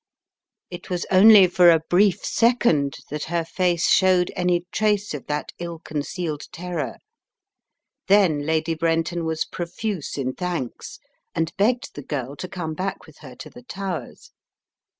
It was only for a brief second that her face showed any trace of that ill concealed terror, then Lady Brenton was profuse in thanks and begged the girl to come back with her to The Towers.